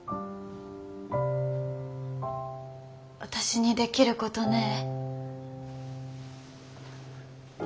私にできることねえ？